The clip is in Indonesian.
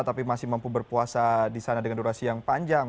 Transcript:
tapi masih mampu berpuasa di sana dengan durasi yang panjang